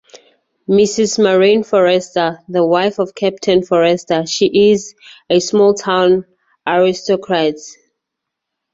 Mrs. Marian Forrester: The wife of Captain Forrester, she is a small town aristocrat.